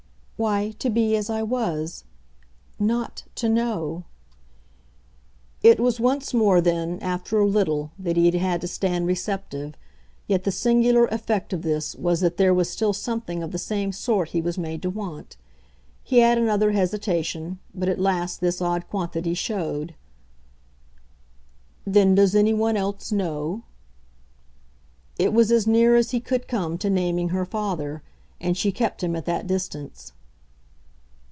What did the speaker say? "Why, to be as I was. NOT to know." It was once more then, after a little, that he had had to stand receptive; yet the singular effect of this was that there was still something of the same sort he was made to want. He had another hesitation, but at last this odd quantity showed. "Then does any one else know?" It was as near as he could come to naming her father, and she kept him at that distance.